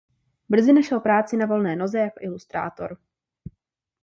Brzy našel práci na volné noze jako ilustrátor.